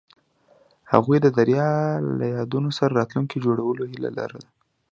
هغوی د دریا له یادونو سره راتلونکی جوړولو هیله لرله.